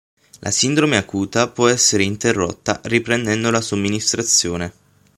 La sindrome acuta può essere interrotta riprendendo la somministrazione.